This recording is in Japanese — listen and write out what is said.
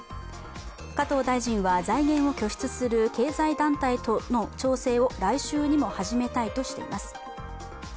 加藤大臣は財源を拠出する経済団体などとの調整を来週にも始めたいとしています。